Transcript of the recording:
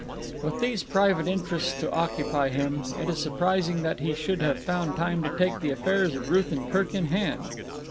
With these private interests to occupy him, it is surprising that he should have found time to take the affairs of Ruth and Kirk in hand.